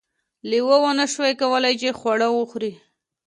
لیوه ونشوای کولی چې خواړه وخوري.